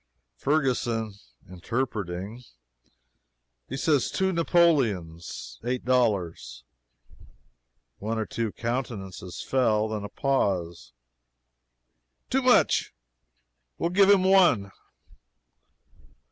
] Ferguson (interpreting) "He says two Napoleons eight dollars." One or two countenances fell. Then a pause. "Too much! we'll give him one!"